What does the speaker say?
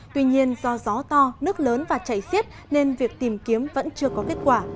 tuy nhiên do gió to nước lớn và chảy xiết nên việc tìm kiếm vẫn chưa có kết quả